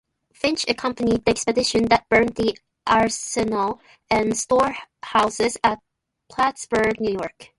"Finch" accompanied the expedition that burned the arsenal and storehouses at Plattsburg, New York.